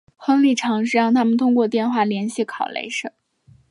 亨利尝试让他们通过电话联系考雷什。